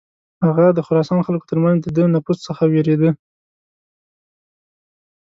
هغه د خراسان خلکو تر منځ د ده نفوذ څخه ویرېده.